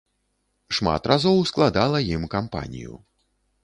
Шмат разоў складала ім кампанію.